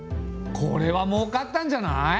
これはもうかったんじゃない？